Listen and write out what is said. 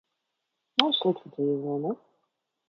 Nav slikta dzīve, vai ne?